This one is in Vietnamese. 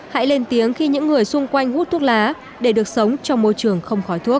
hãy lên tiếng khi những người xung quanh hút thuốc lá để được sống trong môi trường không khói thuốc